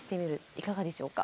いかがでしょうか？